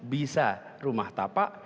bisa rumah tapak